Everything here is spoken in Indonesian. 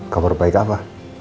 kabar baik apa